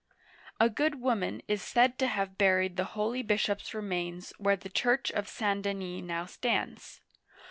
A good woman is said to have buried the holy bishop's remains where the church of St. Denis now stands.